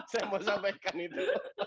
saya mau sampaikan itu